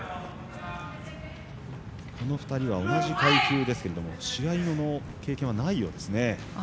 この２人は同じ階級ですが試合の経験はないようですね。